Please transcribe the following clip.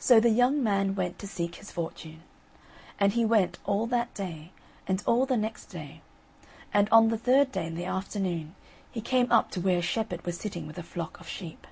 So the young man went to seek his fortune. And he went all that day, and all the next day; and on the third day, in the afternoon, he came up to where a shepherd was sitting with a flock of sheep.